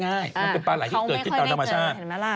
มันเป็นปลาไหลที่เกิดขึ้นตอนธรรมชาติ